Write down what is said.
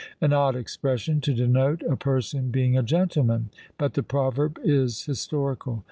An odd expression to denote a person being a gentleman! but the proverb is historical.